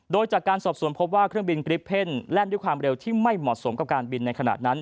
โดยจากการสอบสวนพบว่าเครื่องบินกริปเพ่นแล่นด้วยความเร็วที่ไม่เหมาะสมกับการบินในขณะนั้น